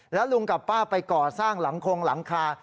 แล้วลุงกับป้าไปก่อสร้างหลังคงหลังคา